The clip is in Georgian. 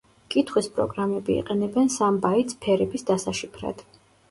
კითხვის პროგრამები იყენებენ სამ ბაიტს ფერების დასაშიფრად.